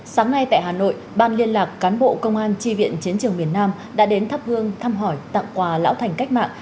sáng nay tại hà nội ban liên lạc cán bộ công an tri viện chiến trường miền nam đã đến thắp hương thăm hỏi tặng quà lão thành cách mạng